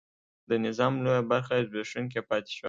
د نظام لویه برخه زبېښونکې پاتې شوه.